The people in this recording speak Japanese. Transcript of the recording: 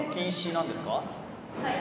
「はい」